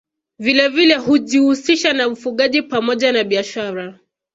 Vilevile hujihusisha na ufugaji pamoja na biashara